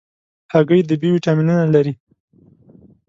هګۍ د B ویټامینونه لري.